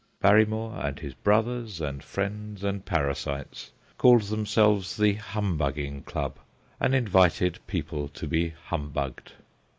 Barrymore and his brothers and friends and parasites called themselves the Humbugging Club and invited people to be humbugged.